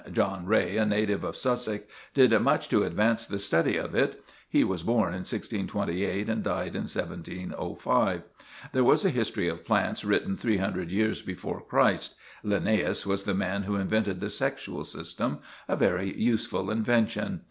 John Ray, a native of Sussex, did much to advance the study of it. He was born in 1628, and died in 1705. There was a history of plants written three hundred years before Christ. Linnæus was the man who invented the sexual system—a very useful invention.